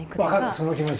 その気持ち！